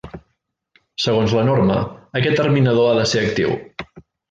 Segons la norma aquest terminador ha de ser actiu.